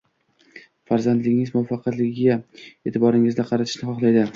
Farzandingiz muvaffaqiyatlariga e’tiboringizni qaratishni xohlaydi.